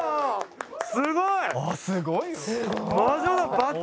すごい！